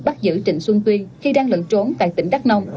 bắt giữ trịnh xuân tuyên khi đang lận trốn tại tỉnh đắk nông